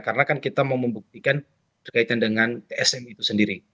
karena kan kita mau membuktikan terkaitan dengan tsm itu sendiri